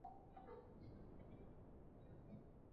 她感到全身无力